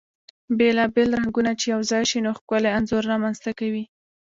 بيلا بيل رنګونه چی يو ځاي شي ، نو ښکلی انځور رامنځته کوي .